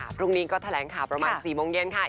พรุ่งนี้ก็แถลงข่าวประมาณ๔โมงเย็นค่ะ